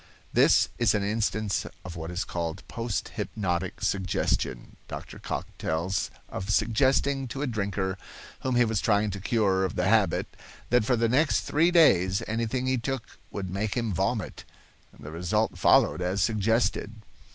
*This is an instance of what is called post hypnotic suggestion. Dr. Cocke tells of suggesting to a drinker whom he was trying to cure of the habit that for the next three days anything he took would make him vomit; the result followed as suggested.